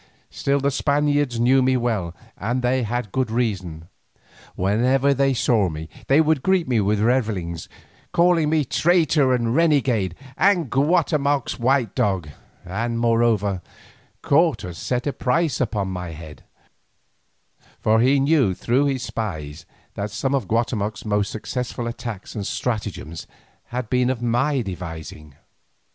Still the Spaniards knew me well and they had good reason. Whenever they saw me they would greet me with revilings, calling me "traitor and renegade," and "Guatemoc's white dog," and moreover, Cortes set a price upon my head, for he knew through his spies that some of Guatemoc's most successful attacks and stratagems had been of my devising.